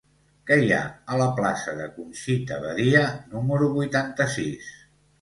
Què hi ha a la plaça de Conxita Badia número vuitanta-sis?